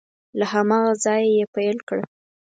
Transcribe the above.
له هماغه ځایه یې پیل کړه